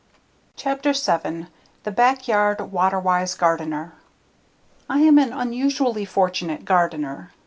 Chapter 7 The Backyard Water Wise Gardener I am an unusually fortunate gardener.